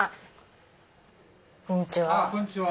こんにちは。